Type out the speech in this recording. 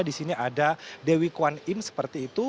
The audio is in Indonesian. di sini ada dewi kwan im seperti itu